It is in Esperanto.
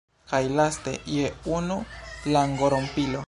Kaj laste, jen unu langorompilo: